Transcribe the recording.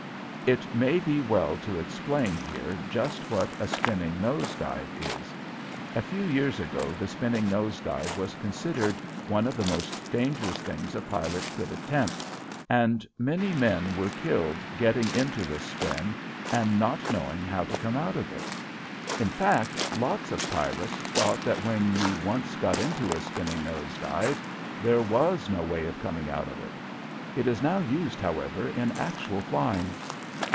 It may be well to explain here just what a spinning nose dive is. A few years ago the spinning nose dive was considered one of the most dangerous things a pilot could attempt, and many men were killed getting into this spin and not knowing how to come out of it. In fact, lots of pilots thought that when once you got into a spinning nose dive there was no way of coming out of it. It is now used, however, in actual flying.